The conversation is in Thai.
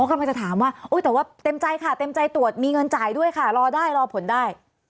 กำลังจะถามว่าแต่ว่าเต็มใจค่ะเต็มใจตรวจมีเงินจ่ายด้วยค่ะรอได้รอผลได้